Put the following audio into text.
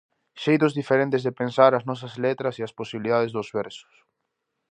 Xeitos diferentes de pensar as nosas letras e as posibilidades dos versos.